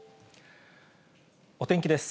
お天気です。